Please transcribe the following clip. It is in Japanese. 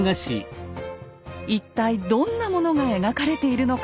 一体どんなものが描かれているのか。